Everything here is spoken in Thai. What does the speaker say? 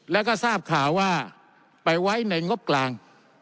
แล้วก็ทราบข่าวว่าไปไว้ในงบกลาง